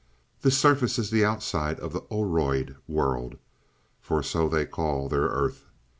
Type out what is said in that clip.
"This surface is the outside of the Oroid world, for so they call their earth.